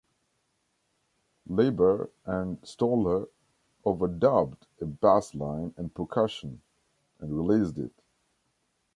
Leiber and Stoller overdubbed a bassline and percussion, and released it.